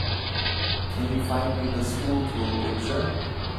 Can you find me the SchoolTool picture?